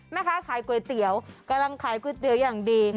แม่ค้าขายก๋วยเตี๋ยวกำลังขายก๋วยเตี๋ยวอย่างดี